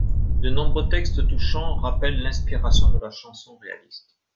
De nombreux textes touchants rappellent l'inspiration de la chanson réaliste.